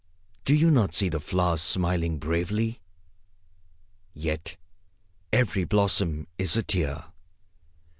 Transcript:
Do you not see the flowers smiling bravely? Yet every blossom is a tear.